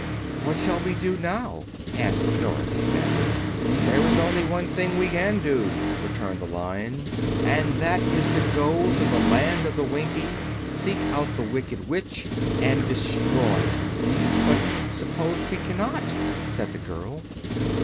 "What shall we do now?" asked Dorothy sadly. "There is only one thing we can do," returned the Lion, "and that is to go to the land of the Winkies, seek out the Wicked Witch, and destroy her." "But suppose we cannot?" said the girl.